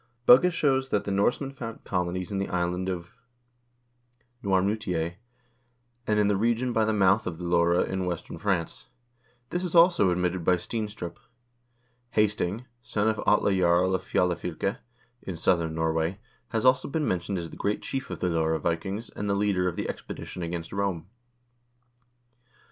Bugge shows that the Norsemen founded colonies in the island of Noirmoutier, and in the region by the mouth of the Loire in western France. This is also admitted by Steenstrup.1 Hasting, son of Atle Jarl of Fjalafylke, in southern Norway, has already been mentioned as the great chief of the Loire Vikings and the leader of the expedition against Rome.